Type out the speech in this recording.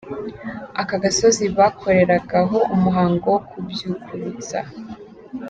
Aka gasozi bakoreragaho umuhango wo kubyukurutsa.